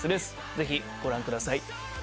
ぜひご覧ください。